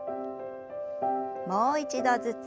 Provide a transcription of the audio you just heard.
もう一度ずつ。